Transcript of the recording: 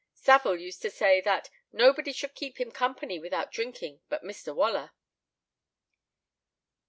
Saville used to say that "nobody should keep him company without drinking but Mr. Waller."